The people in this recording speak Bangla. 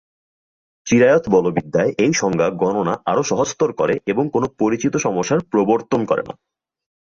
চিরায়ত বলবিদ্যায়, এই সংজ্ঞা গণনা আরো সহজতর করে এবং কোন পরিচিত সমস্যার প্রবর্তন করে না।